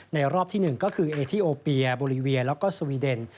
รอบที่๑ก็คือเอทีโอเปียโบรีเวียแล้วก็สวีเดน